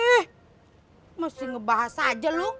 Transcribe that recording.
ih mesti ngebahas aja lu